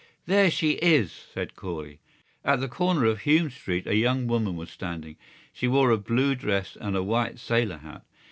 "There she is!" said Corley. At the corner of Hume Street a young woman was standing. She wore a blue dress and a white sailor hat.